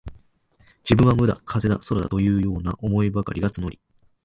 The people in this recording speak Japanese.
自分は無だ、風だ、空だ、というような思いばかりが募り、